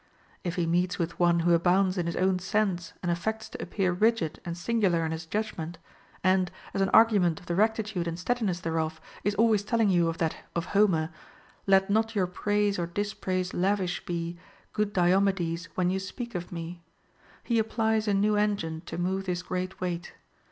If he meets with one who abounds in his own sense and affects to appear rigid and singular in his judgment, and, as an argument of the rectitude and steadiness thereof, is always telling you of that of Homer, Let not your praise or dispraise lavish be, Good Diomedes, when you speak of me,* he applies a new engine to move this great weight.